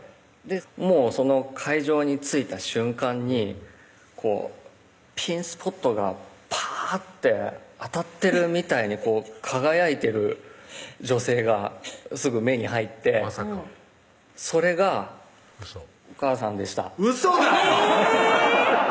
もうその会場に着いた瞬間にこうピンスポットがぱーって当たってるみたいに輝いてる女性がすぐ目に入ってまさかそれがおかあさんでしたウソだよ